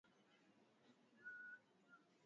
mshindi wa mashindano ya wapanda baiskeli